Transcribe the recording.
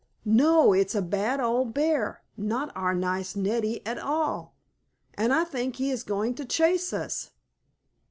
"No, it's a bad old bear not our nice Neddie, at all! And I think he is going to chase us!